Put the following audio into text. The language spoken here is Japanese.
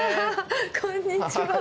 こんにちは。